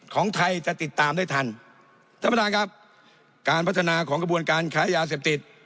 ของไทยจะติดตามได้ทันท่านประธานครับการพัฒนาของกระบวนการค้ายาเสพติด